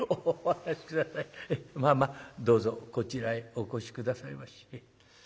まあまあどうぞこちらへお越し下さいまし。